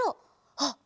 あっ！